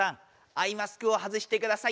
アイマスクを外してください！